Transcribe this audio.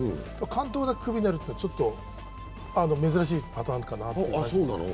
監督だけクビになるって、ちょっと珍しいパターンかなと。